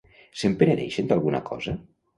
Se'n penedeixen d'alguna cosa?